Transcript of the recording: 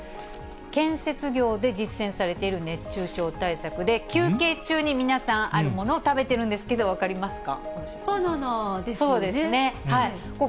建設業で実践されている熱中症対策で、休憩中に皆さん、あるものを食べてるんですけど、分かりますか。